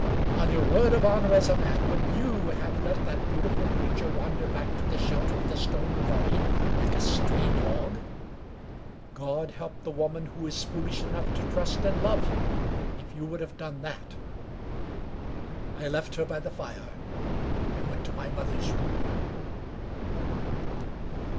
On your word of honor as a man, would you have let that beautiful creature wander back to the shelter of the stone quarry like a stray dog? God help the woman who is foolish enough to trust and love you, if you would have done that! I left her by the fire, and went to my mother's room.